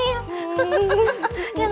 belom buat pertanyaannya